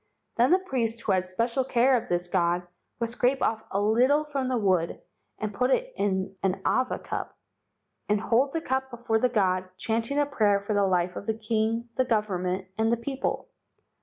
"Then the priest who had special care of this god would scrape off a little from the wood, and put it in an awa cup, and hold the cup before the god, chanting a prayer for the life of the king, the government, and the people.